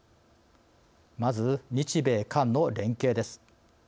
まず日米韓の連携です。